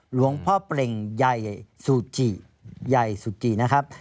หลวงพ่อแปลงไยซูจะไยซูจะนะครับ